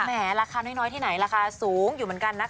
ราคาน้อยที่ไหนราคาสูงอยู่เหมือนกันนะคะ